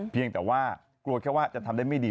เพียงแต่ว่ากลัวแค่ว่าจะทำได้ไม่ดี